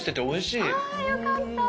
あよかった。